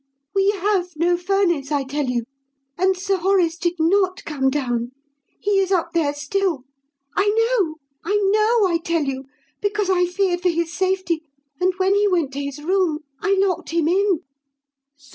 "We have no furnace, I tell you, and Sir Horace did not come down. He is up there still. I know I know, I tell you because I feared for his safety, and when he went to his room I locked him in!"